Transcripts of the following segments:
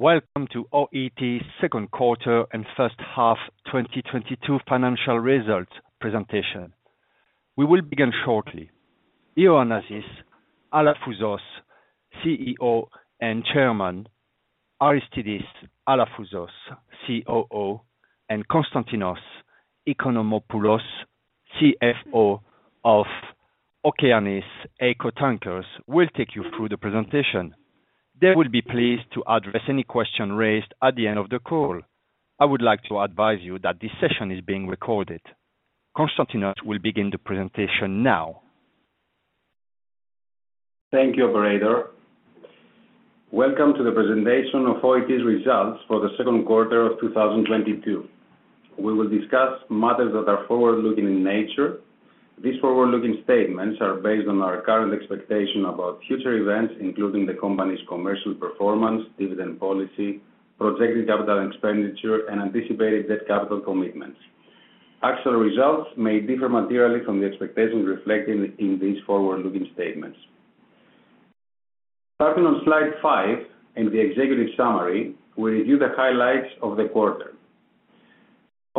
Welcome to OET second quarter and first half 2022 financial results presentation. We will begin shortly. Ioannis Alafouzos, CEO and Chairman, Aristidis Alafouzos, COO, and Konstantinos Oikonomopoulos, CFO of Okeanis Eco Tankers will take you through the presentation. They will be pleased to address any question raised at the end of the call. I would like to advise you that this session is being recorded. Konstantinos will begin the presentation now. Thank you, operator. Welcome to the presentation of OET's results for the second quarter of 2022. We will discuss matters that are forward-looking in nature. These forward-looking statements are based on our current expectation about future events, including the company's commercial performance, dividend policy, projected capital expenditure, and anticipated debt capital commitments. Actual results may differ materially from the expectations reflected in these forward-looking statements. Starting on Slide 5 in the executive summary, we review the highlights of the quarter.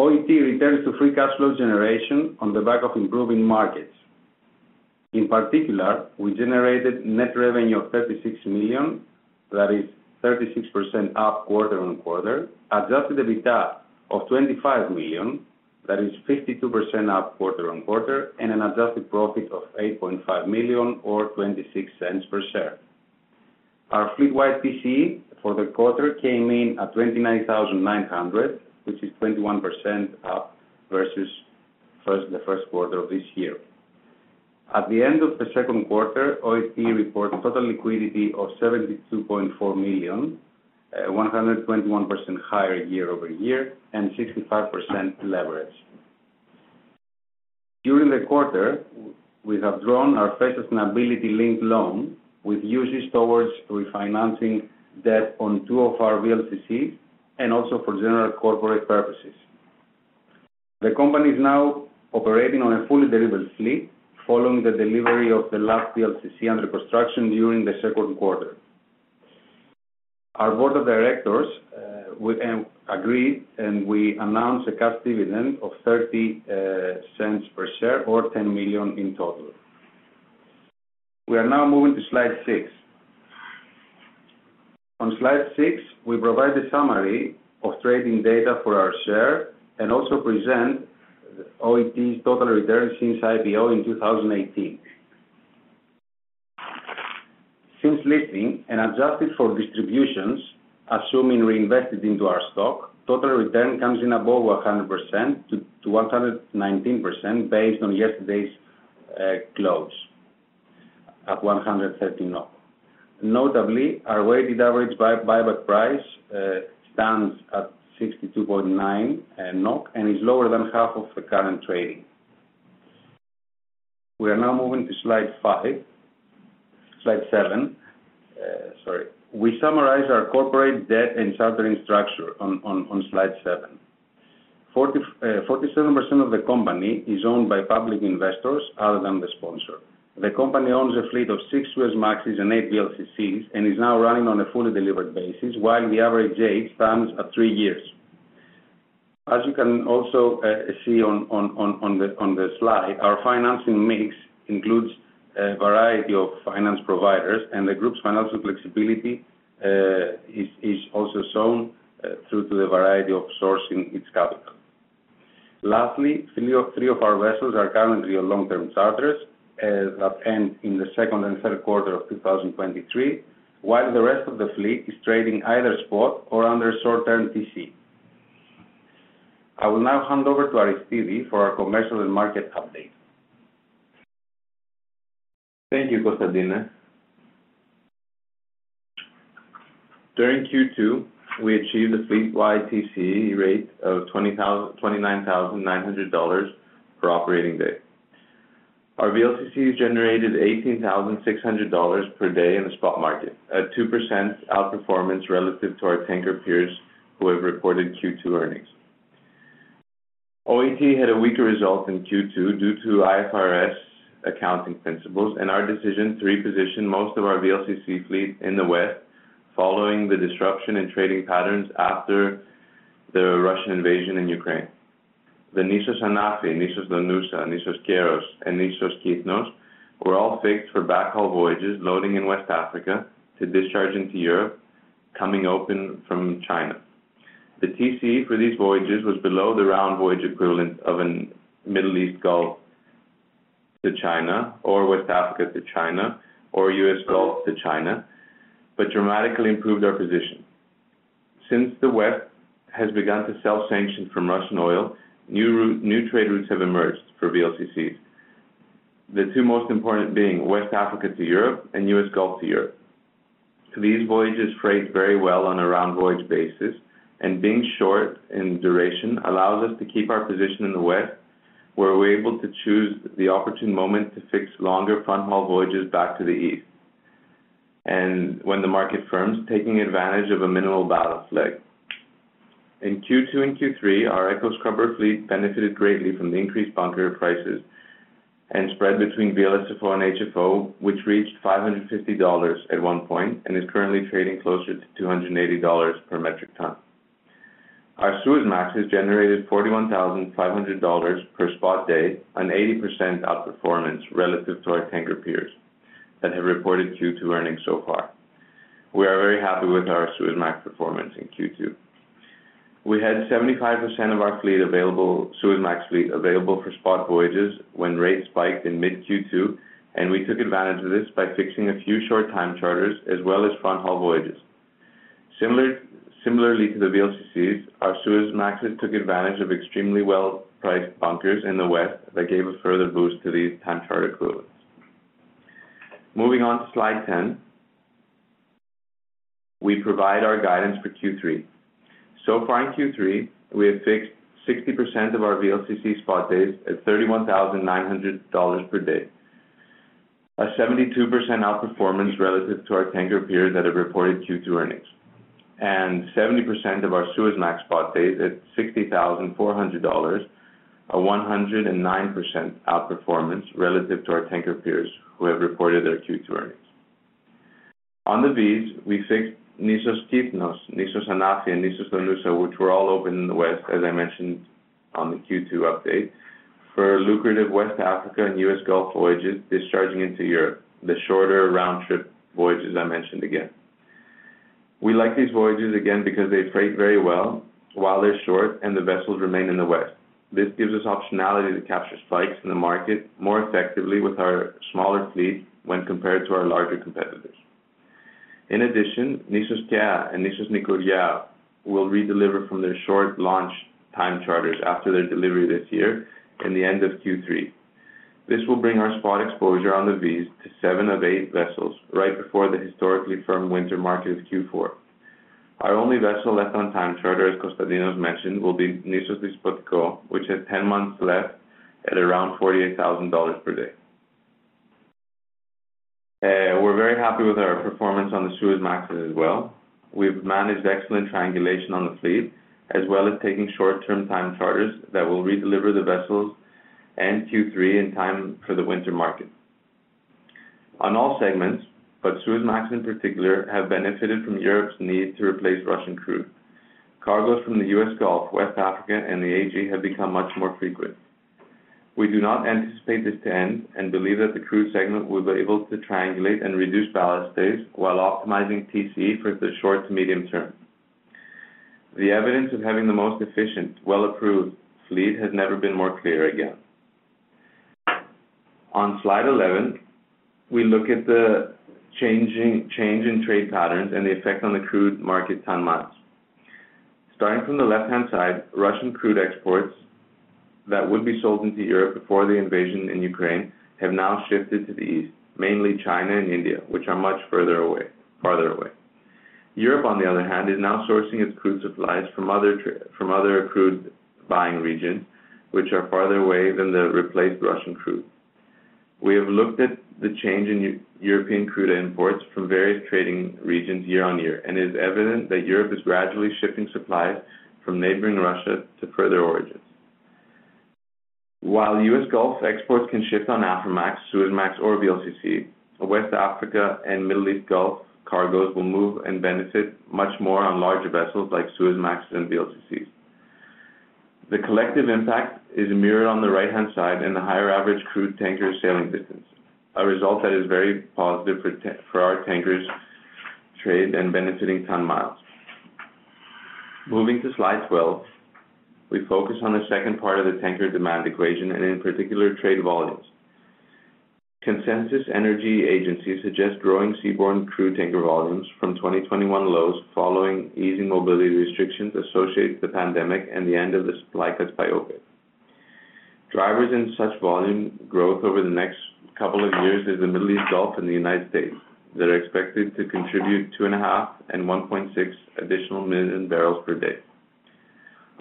OET returns to free cash flow generation on the back of improving markets. In particular, we generated net revenue of $36 million, that is 36% up quarter-on-quarter, Adjusted EBITDA of $25 million, that is 52% up quarter-on-quarter, and an adjusted profit of $8.5 million or $0.26 per share. Our fleet-wide PC for the quarter came in at 29,900, which is 21% up versus the first quarter of this year. At the end of the second quarter, OET reports total liquidity of $72.4 million, 121% higher year-over-year, and 65% leverage. During the quarter, we have drawn our first sustainability-linked loan with usage towards refinancing debt on two of our VLCCs and also for general corporate purposes. The company is now operating on a fully delivered fleet following the delivery of the last VLCC under construction during the second quarter. Our board of directors agreed and we announced a cash dividend of $0.30 per share or $10 million in total. We are now moving to Slide 6. On Slide 6, we provide a summary of trading data for our share and also present OET's total return since IPO in 2018. Since listing and adjusted for distributions, assuming reinvested into our stock, total return comes in above 100% to 119% based on yesterday's close at 130 NOK. Notably, our weighted average buyback price stands at 62.9 NOK and is lower than half of the current trading. We are now moving to Slide 7. We summarize our corporate debt and chartering structure on Slide 7. 47% of the company is owned by public investors other than the sponsor. The company owns a fleet of 6 Suezmaxes and 8 VLCCs and is now running on a fully delivered basis while the average age stands at three years. As you can also see on the slide, our financing mix includes a variety of finance providers and the group's financial flexibility is also shown through the variety of sourcing its capital. Lastly, three of our vessels are currently on long-term charters that end in the second and third quarter of 2023, while the rest of the fleet is trading either spot or under short-term TC. I will now hand over to Aristidis for our commercial and market update. Thank you, Konstantinos. During Q2, we achieved a fleet-wide TCE rate of $29,900 per operating day. Our VLCCs generated $18,600 per day in the spot market at 2% outperformance relative to our tanker peers who have reported Q2 earnings. OET had a weaker result in Q2 due to IFRS accounting principles and our decision to reposition most of our VLCC fleet in the West following the disruption in trading patterns after the Russian invasion in Ukraine. The Nissos Anafi, Nissos Donoussa, Nissos Keros, and Nissos Kythnos were all fixed for backhaul voyages loading in West Africa to discharge into Europe, coming open from China. The TCE for these voyages was below the round voyage equivalent of a Middle East Gulf to China or West Africa to China or U.S. Gulf to China, but dramatically improved our position. Since the West has begun to self-sanction from Russian oil, new trade routes have emerged for VLCCs. The two most important being West Africa to Europe and US Gulf to Europe. These voyages freight very well on a round voyage basis, and being short in duration allows us to keep our position in the West, where we're able to choose the opportune moment to fix longer front haul voyages back to the east, when the market firms, taking advantage of a minimal ballast leg. In Q2 and Q3, our eco scrubber fleet benefited greatly from the increased bunker prices and spread between VLSFO and HFO, which reached $550 at one point and is currently trading closer to $280 per metric ton. Our Suezmax has generated $41,500 per spot day, an 80% outperformance relative to our tanker peers that have reported Q2 earnings so far. We are very happy with our Suezmax performance in Q2. We had 75% of our fleet available, Suezmax fleet available for spot voyages when rates spiked in mid-Q2, and we took advantage of this by fixing a few short time charters as well as front haul voyages. Similarly to the VLCCs, our Suezmaxes took advantage of extremely well-priced bunkers in the West that gave a further boost to these time charter equivalents. Moving on to Slide 10. We provide our guidance for Q3. So far in Q3, we have fixed 60% of our VLCC spot days at $31,900 per day. 72% outperformance relative to our tanker peers that have reported Q2 earnings, and 70% of our Suezmax spot days at $60,400, 109% outperformance relative to our tanker peers who have reported their Q2 earnings. On the VLCCs, we fixed Nissos Kythnos, Nissos Anafi, and Nissos Donousa, which were all open in the West, as I mentioned on the Q2 update, for lucrative West Africa and U.S. Gulf voyages discharging into Europe, the shorter round-trip voyages I mentioned again. We like these voyages again because they freight very well while they're short and the vessels remain in the West. This gives us optionality to capture spikes in the market more effectively with our smaller fleet when compared to our larger competitors. In addition, Nissos Kea and Nissos Nikouria will redeliver from their short long time charters after their delivery this year in the end of Q3. This will bring our spot exposure on the VLCCs to seven of eight vessels right before the historically firm winter market of Q4. Our only vessel left on time charter, as Constantinos mentioned, will be Nissos Despotiko, which has 10 months left at around $48,000 per day. We're very happy with our performance on the Suezmaxes as well. We've managed excellent triangulation on the fleet, as well as taking short-term time charters that will redeliver the vessels in Q3 in time for the winter market. On all segments, but Suezmax in particular, have benefited from Europe's need to replace Russian crude. Cargoes from the US Gulf, West Africa, and the AG have become much more frequent. We do not anticipate this to end, and believe that the crude segment will be able to triangulate and reduce ballast days while optimizing TCE for the short to medium term. The evidence of having the most efficient, well-proven fleet has never been more clear again. On Slide 11, we look at the change in trade patterns and the effect on the crude market ton-miles. Starting from the left-hand side, Russian crude exports that would be sold into Europe before the invasion in Ukraine have now shifted to the east, mainly China and India, which are much farther away. Europe, on the other hand, is now sourcing its crude supplies from other crude buying regions which are farther away than the replaced Russian crude. We have looked at the change in European crude imports from various trading regions year on year, and it is evident that Europe is gradually shifting supplies from neighboring Russia to further origins. While U.S. Gulf exports can shift on Aframax, Suezmax, or VLCC, West Africa and Middle East Gulf cargos will move and benefit much more on larger vessels like Suezmax and VLCC. The collective impact is mirrored on the right-hand side in the higher average crude tanker sailing distance. A result that is very positive for our tankers' trade and benefiting ton-miles. Moving to Slide 12, we focus on the second part of the tanker demand equation and in particular trade volumes. Consensus energy agencies suggest growing seaborne crude tanker volumes from 2021 lows following easing mobility restrictions associated with the pandemic and the end of the supply cut by OPEC. Drivers in such volume growth over the next couple of years is the Middle East Gulf and the United States that are expected to contribute 2.5 and 1.6 additional million barrels per day.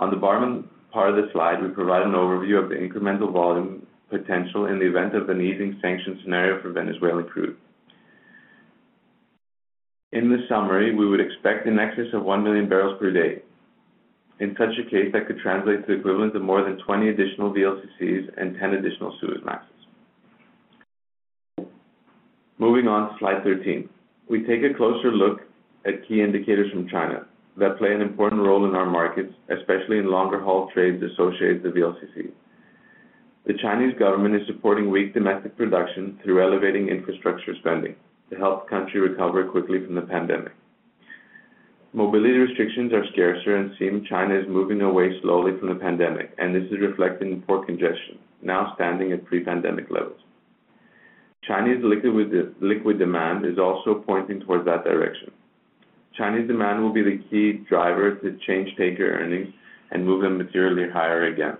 On the bottom part of the slide, we provide an overview of the incremental volume potential in the event of an easing sanction scenario for Venezuelan crude. In the summary, we would expect in excess of 1 million barrels per day. In such a case, that could translate to equivalent to more than 20 additional VLCCs and 10 additional Suezmaxes. Moving on to Slide 13. We take a closer look at key indicators from China that play an important role in our markets, especially in longer-haul trades associated with VLCC. The Chinese government is supporting weak domestic production through elevating infrastructure spending to help the country recover quickly from the pandemic. Mobility restrictions are scarcer, and it seems China is moving away slowly from the pandemic, and this is reflected in port congestion, now standing at pre-pandemic levels. Chinese liquid demand is also pointing towards that direction. Chinese demand will be the key driver to change tanker earnings and move them materially higher again.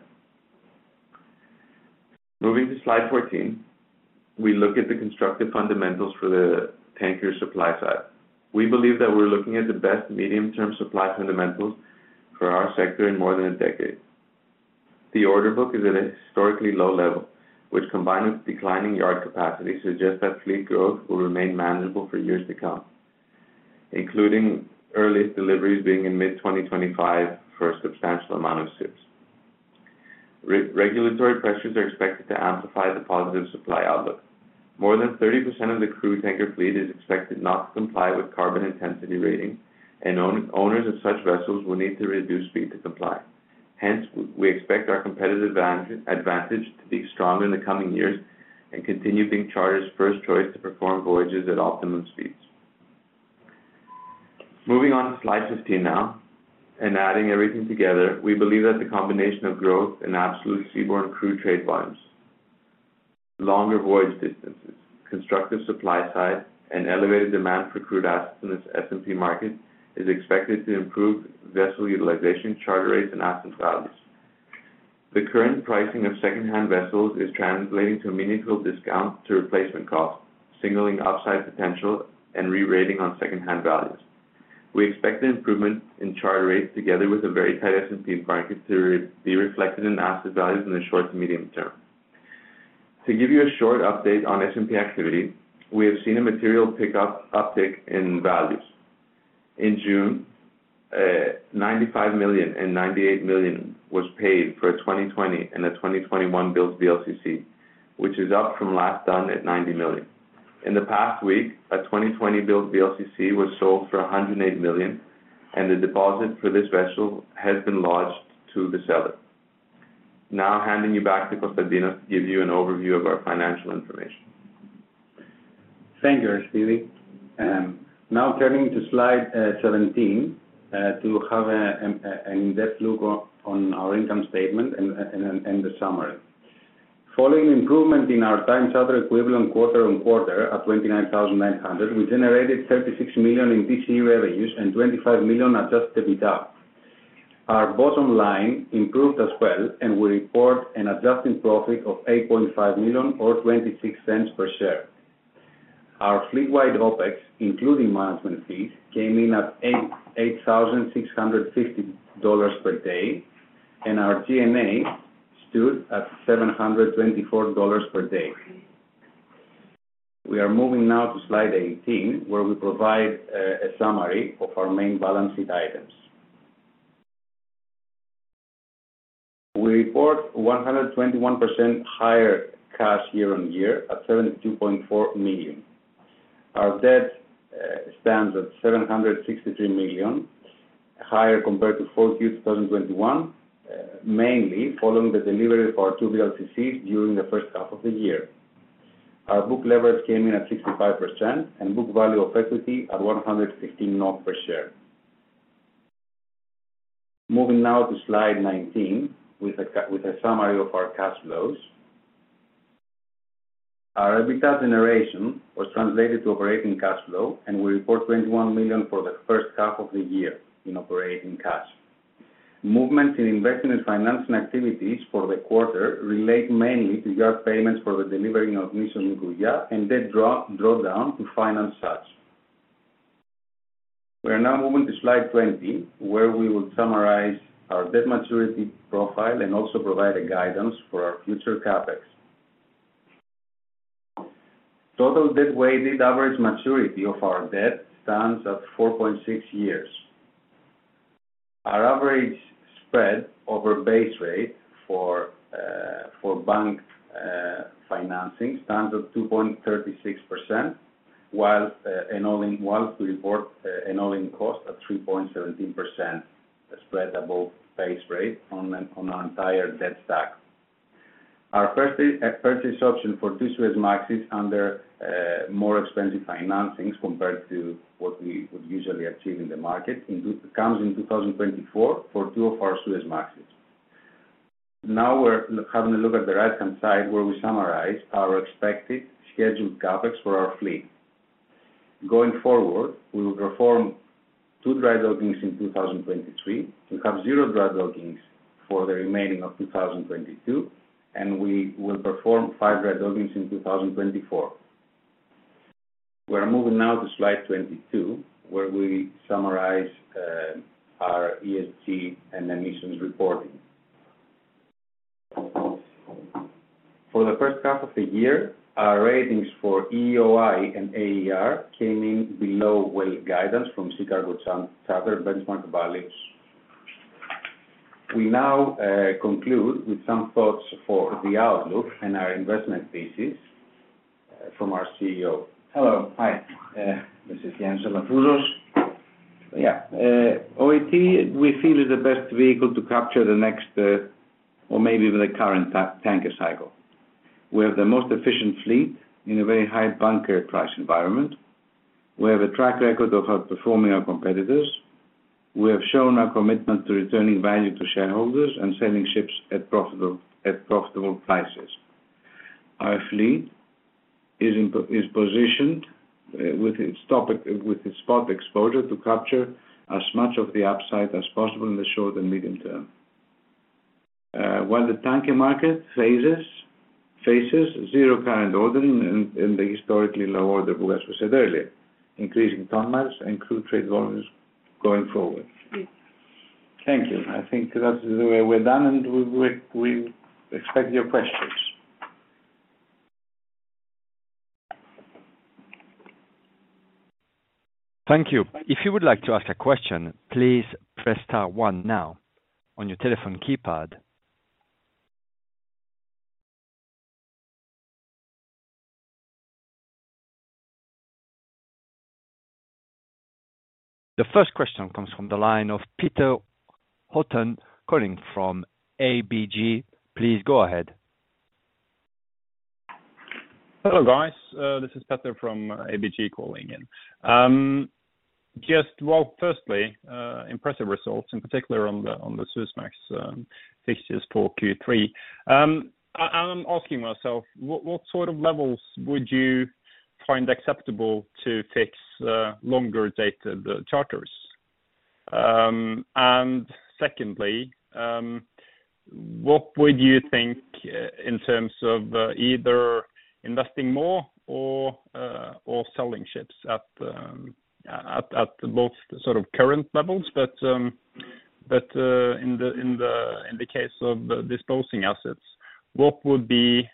Moving to Slide 14, we look at the constructive fundamentals for the tanker supply side. We believe that we're looking at the best medium-term supply fundamentals for our sector in more than a decade. The order book is at a historically low level, which combined with declining yard capacity, suggests that fleet growth will remain manageable for years to come, including earliest deliveries being in mid-2025 for a substantial amount of ships. Regulatory pressures are expected to amplify the positive supply outlook. More than 30% of the crude tanker fleet is expected not to comply with carbon intensity rating, and owners of such vessels will need to reduce speed to comply. Hence, we expect our competitive advantage to be strong in the coming years and continue being charterers' first choice to perform voyages at optimum speeds. Moving on to Slide 15 now, and adding everything together, we believe that the combination of growth in absolute seaborne crude trade volumes, longer voyage distances, constructive supply side, and elevated demand for crude as it is in this S&P market, is expected to improve vessel utilization, charter rates, and asset values. The current pricing of secondhand vessels is translating to a meaningful discount to replacement costs, signaling upside potential and re-rating on secondhand values. We expect the improvement in charter rates together with a very tight S&P market to be reflected in asset values in the short to medium term. To give you a short update on S&P activity, we have seen a material uptick in values. In June, $95 million and $98 million was paid for a 2020 and a 2021 built VLCC, which is up from last done at $90 million. In the past week, a 2020-built VLCC was sold for $108 million, and the deposit for this vessel has been lodged to the seller. Now handing you back to Konstantinos to give you an overview of our financial information. Thank you, Aristidis. Now turning to Slide 17 to have an in-depth look on our income statement and the summary. Following improvement in our Time Charter Equivalent quarter-on-quarter at 29,900, we generated $36 million in TCE revenues and $25 million Adjusted EBITDA. Our bottom line improved as well, and we report an adjusted profit of $8.5 million or 26 cents per share. Our fleet-wide OPEX, including management fees, came in at $8,650 per day, and our G&A stood at $724 per day. We are moving now to Slide 18, where we provide a summary of our main balance sheet items. We report 121% higher cash year-on-year at $72.4 million. Our debt stands at $763 million, higher compared to 4Q 2021, mainly following the delivery of our two VLCCs during the first half of the year. Our book leverage came in at 65% and book value of equity at 160 NOK per share. Moving now to Slide 19 with a summary of our cash flows. Our EBITDA generation was translated to operating cash flow, and we report $21 million for the first half of the year in operating cash. Movements in investment and financing activities for the quarter relate mainly to yard payments for the delivery of Nissos Kea and debt drawdown to finance such. We are now moving to Slide 20, where we will summarize our debt maturity profile and also provide a guidance for our future CapEx. Total debt weighted average maturity of our debt stands at 4.6 years. Our average spread over base rate for bank financing stands at 2.36%, while we report an all-in cost of 3.17% spread above base rate on an entire debt stack. Our first day purchase option for two Suezmaxes under more expensive financings compared to what we would usually achieve in the market comes in 2024 for two of our Suezmaxes. Now we're having a look at the right-hand side where we summarize our expected scheduled CapEx for our fleet. Going forward, we will perform 2 dry dockings in 2023. We have 0 dry dockings for the remaining of 2022, and we will perform 5 dry dockings in 2024. We are moving now to Slide 22, where we summarize our ESG and emissions reporting. For the first half of the year, our ratings for EEOI and AER came in below well guidance from Poseidon Principles benchmark values. We now conclude with some thoughts for the outlook and our investment thesis from our CEO. This is Ioannis Alafouzos. OET, we feel, is the best vehicle to capture the next or maybe the current tanker cycle. We have the most efficient fleet in a very high bunker price environment. We have a track record of outperforming our competitors. We have shown our commitment to returning value to shareholders and selling ships at profitable prices. Our fleet is positioned with its spot exposure to capture as much of the upside as possible in the short and medium term. When the tanker market faces zero current ordering and the historically low order book, as we said earlier, increasing ton-miles and crude trade volumes going forward. Thank you. I think that is the way we're done, and we expect your questions. Thank you. If you would like to ask a question, please press star one now on your telephone keypad. The first question comes from the line of Petter Haugen, calling from ABG. Please go ahead. Hello, guys. This is Peter from ABG, calling in. Just, well, firstly, impressive results, in particular on the Suezmax fixtures for Q3. I'm asking myself, what sort of levels would you find acceptable to fix longer-dated charters? Secondly, what would you think in terms of either investing more or selling ships at both sort of current levels but, in the case of disposing assets, what would be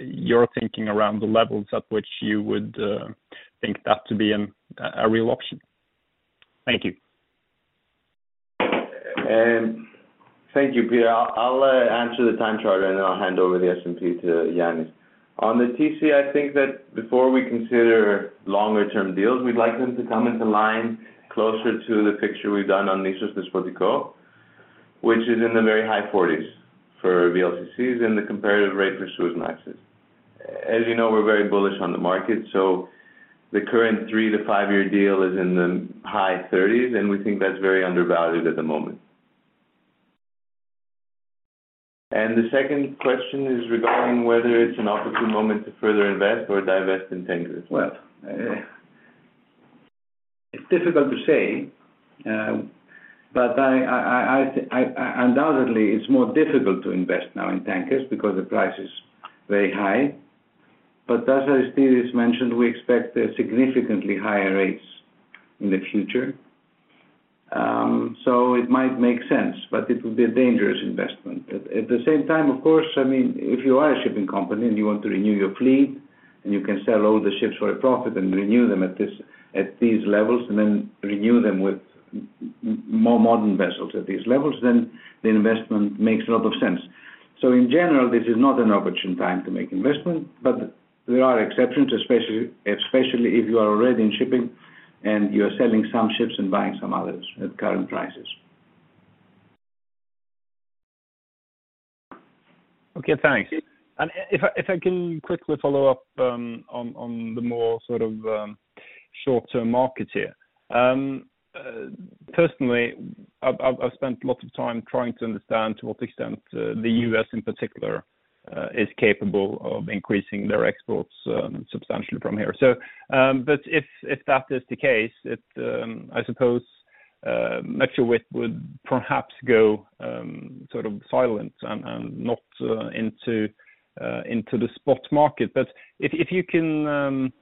your thinking around the levels at which you would think that to be a real option? Thank you. Thank you, Peter. I'll answer the time charter, and then I'll hand over the S&P to Yannis. On the TC, I think that before we consider longer term deals, we'd like them to come into line closer to the picture we've done on Nissos Despotiko, which is in the very high forties for VLCCs and the comparative rate for Suezmaxes. As you know, we're very bullish on the market, so the current three to five year deal is in the high thirties, and we think that's very undervalued at the moment. The second question is regarding whether it's an opportune moment to further invest or divest in tankers. Well, it's difficult to say, but undoubtedly it's more difficult to invest now in tankers because the price is very high. As Aristidis mentioned, we expect significantly higher rates in the future. It might make sense, but it would be a dangerous investment. At the same time, of course, I mean, if you are a shipping company and you want to renew your fleet and you can sell all the ships for a profit and renew them at these levels, and then renew them with more modern vessels at these levels, then the investment makes a lot of sense. In general, this is not an opportune time to make investment, but there are exceptions, especially if you are already in shipping and you are selling some ships and buying some others at current prices. Okay. Thanks. If I can quickly follow up on the more sort of short-term market here. Personally, I've spent lots of time trying to understand to what extent the U.S. in particular is capable of increasing their exports substantially from here. But if that is the case, it I suppose Metro would perhaps go sort of silent and not into the spot market. If you can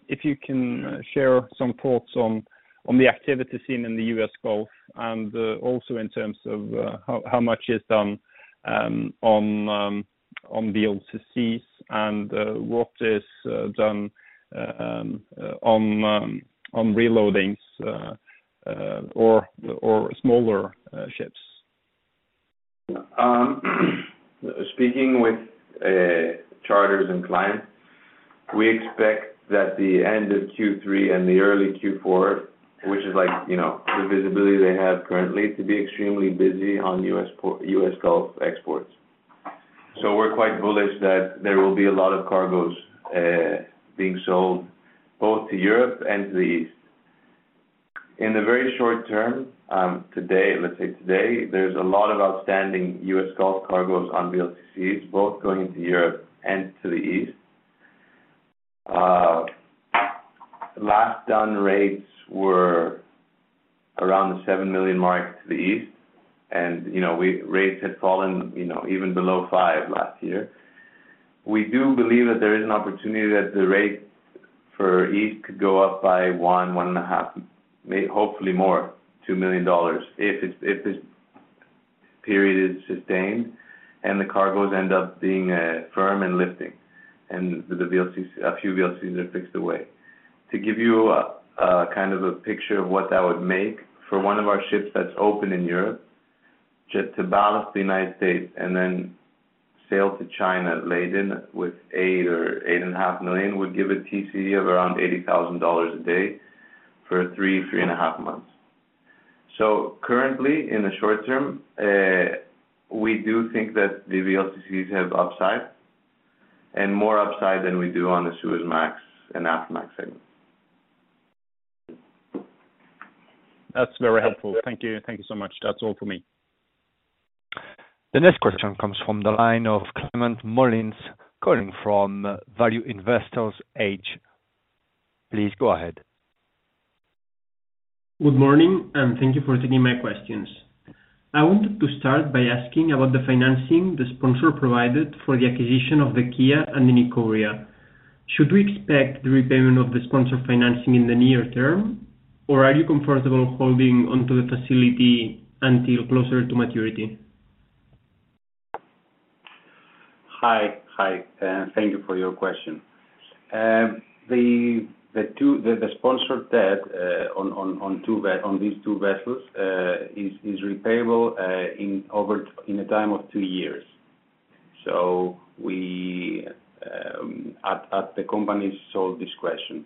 share some thoughts on the activity seen in the U.S. Gulf and also in terms of how much is done on VLCCs and what is done on reloadings or smaller ships. Speaking with charters and clients, we expect that the end of Q3 and the early Q4, which is like, you know, the visibility they have currently to be extremely busy on U.S. Gulf exports. We're quite bullish that there will be a lot of cargoes being sold both to Europe and to the East. In the very short term, today, there's a lot of outstanding US Gulf cargoes on VLCCs, both going into Europe and to the East. Last done rates were around the $7 million mark to the East and, you know, rates had fallen, you know, even below $5 million last year. We do believe that there is an opportunity that the rates for East could go up by $1, $1.5, maybe hopefully more, $2 million if this period is sustained and the cargoes end up being firm and lifting, and the VLCC, a few VLCCs are fixed away. To give you a kind of picture of what that would make for one of our ships that's open in Europe, just to balance the United States and then sail to China laden with $8 or $8.5 million would give a TCE of around $80,000 a day for three to 3.5 months. Currently, in the short term, we do think that the VLCCs have upside and more upside than we do on the Suezmax and Aframax segment. That's very helpful. Thank you. Thank you so much. That's all for me. The next question comes from the line of Climent Molins, calling from Value Investors Edge. Please go ahead. Good morning, and thank you for taking my questions. I wanted to start by asking about the financing the sponsor provided for the acquisition of the Nissos Kea and the Nissos Nikouria. Should we expect the repayment of the sponsor financing in the near term, or are you comfortable holding onto the facility until closer to maturity? Hi. Hi, and thank you for your question. The sponsor debt on these two vessels is repayable in a time of two years. At the company's sole discretion,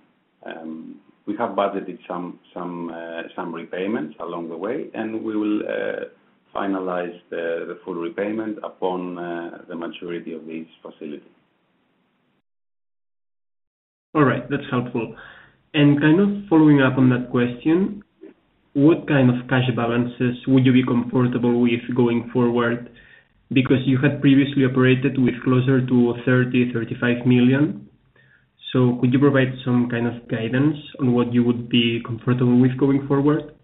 we have budgeted some repayments along the way, and we will finalize the full repayment upon the maturity of this facility. All right. That's helpful. Kind of following up on that question, what kind of cash balances would you be comfortable with going forward? Because you had previously operated with closer to $30-$35 million. Could you provide some kind of guidance on what you would be comfortable with going forward?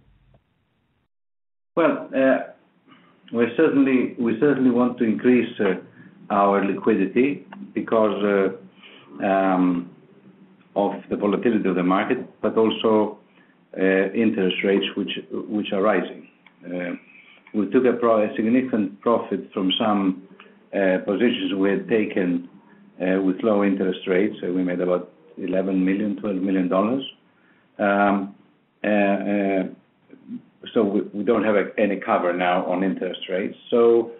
We certainly want to increase our liquidity because of the volatility of the market, but also interest rates which are rising. We took a significant profit from some positions we had taken with low interest rates. We made about $11 million-$12 million. We don't have, like, any cover now on interest rates. To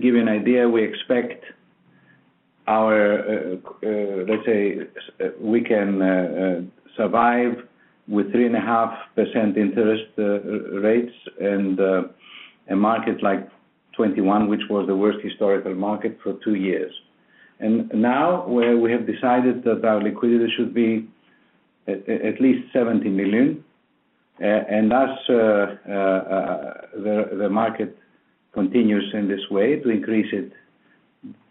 give you an idea, let's say, we can survive with 3.5% interest rates in a market like 2021, which was the worst historical market for two years. where we have decided that our liquidity should be at least $70 million, and as the market continues in this way to increase it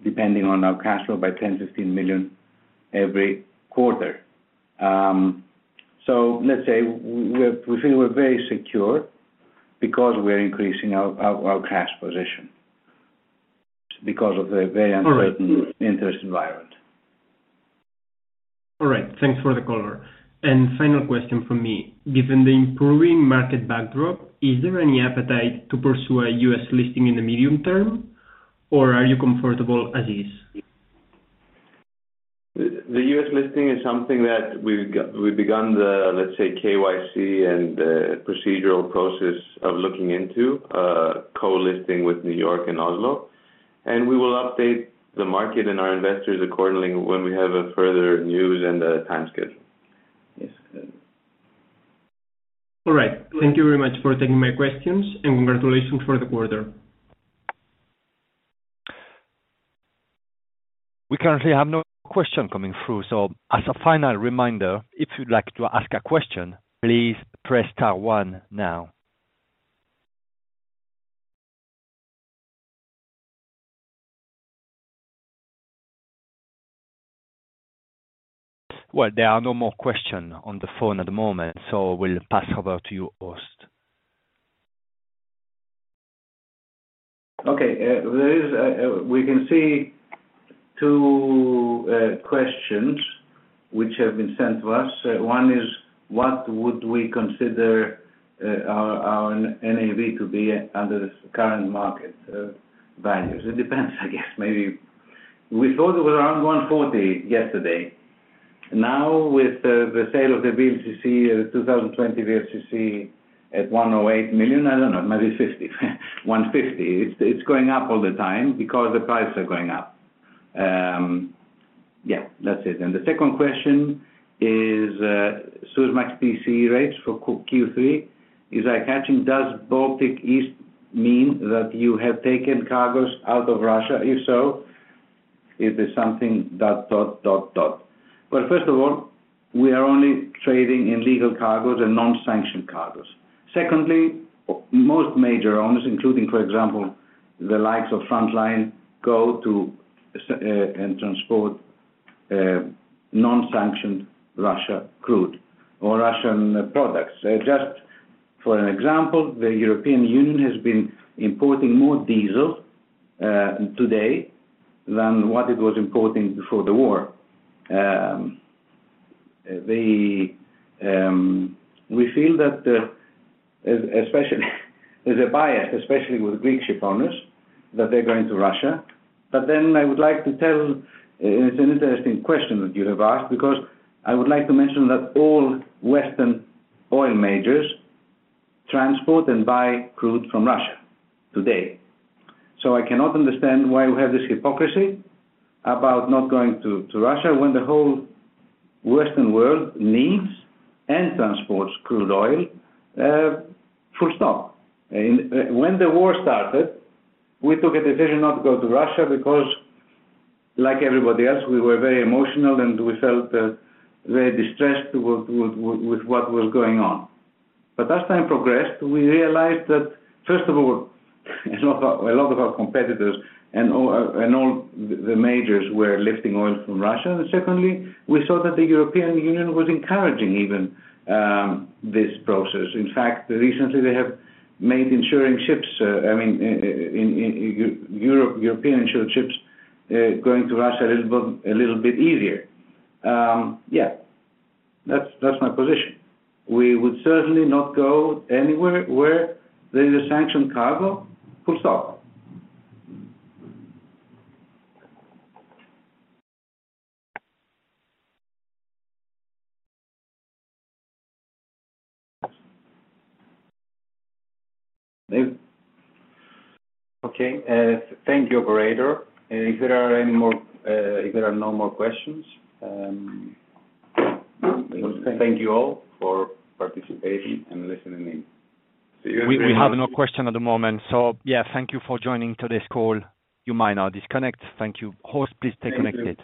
depending on our cash flow by $10-$15 million every quarter. Let's say we feel we're very secure because we're increasing our cash position because of the very- All right. Uncertain interest rate environment. All right. Thanks for the color. Final question from me. Given the improving market backdrop, is there any appetite to pursue a U.S. listing in the medium term, or are you comfortable as is? The US listing is something that we've begun the, let's say, KYC and procedural process of looking into co-listing with New York and Oslo. We will update the market and our investors accordingly when we have further news and a time schedule. Yes. All right. Thank you very much for taking my questions, and congratulations for the quarter. We currently have no question coming through, so as a final reminder, if you'd like to ask a question, please press star one now. Well, there are no more questions on the phone at the moment, so we'll pass over to you, host. Okay. There is, we can see two questions which have been sent to us. One is, what would we consider, our NAV to be under the current market values? It depends, I guess. Maybe we thought it was around 140 yesterday. Now with the sale of the VLCC, 2020 VLCC at $108 million, I don't know, it might be 150. It's going up all the time because the prices are going up. Yeah, that's it. The second question is, Suezmax PC rates for Q3. Is that catching? Does Baltic East mean that you have taken cargoes out of Russia? If so, is this something? Well, first of all, we are only trading in legal cargoes and non-sanctioned cargoes. Secondly, most major owners, including, for example, the likes of Frontline, go to sea and transport non-sanctioned Russian crude or Russian products. Just for an example, the European Union has been importing more diesel today than what it was importing before the war. We feel that especially there's a bias, especially with Greek shipowners, that they're going to Russia. I would like to tell, it's an interesting question that you have asked because I would like to mention that all Western oil majors transport and buy crude from Russia today. I cannot understand why we have this hypocrisy about not going to Russia when the whole Western world needs and transports crude oil full stop. When the war started, we took a decision not to go to Russia because like everybody else, we were very emotional and we felt very distressed with what was going on. As time progressed, we realized that first of all, a lot of our competitors and all the majors were lifting oil from Russia. Secondly, we saw that the European Union was encouraging even this process. In fact, recently they have made insuring ships, I mean, European insured ships going to Russia a little bit easier. Yeah. That's my position. We would certainly not go anywhere where there is a sanctioned cargo, full stop. Okay. Thank you, operator. If there are no more questions, thank you all for participation and listening in. See you. We have no question at the moment, so yeah, thank you for joining today's call. You might now disconnect. Thank you. Host, please stay connected.